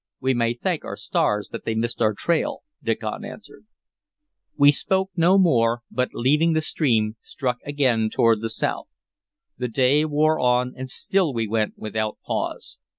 "We may thank our stars that they missed our trail," Diccon answered. We spoke no more, but, leaving the stream, struck again toward the south. The day wore on, and still we went without pause.